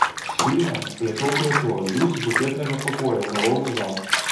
Шчыльна, плячо ў плячо, ідуць з буфетнага пакоя ў галоўны зал.